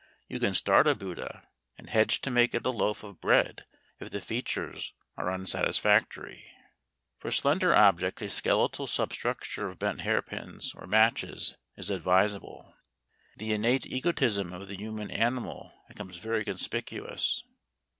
You can start a Buddha, and hedge to make it a loaf of bread if the features are unsatisfactory. For slender objects a skeletal substructure of bent hairpins or matches is advisable. The innate egotism of the human animal becomes very conspicuous.